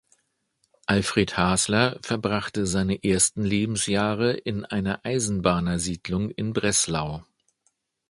Alfred Hasler verbrachte seine ersten Lebensjahre in einer Eisenbahnersiedlung in Breslau.